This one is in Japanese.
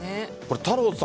太郎さん